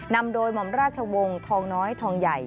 นำโดยหม่อมราชวงศ์ทองน้อยทองใหญ่